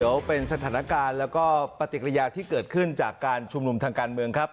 เดี๋ยวเป็นสถานการณ์แล้วก็ปฏิกิริยาที่เกิดขึ้นจากการชุมนุมทางการเมืองครับ